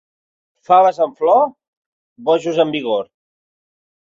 Faves en flor, bojos en vigor.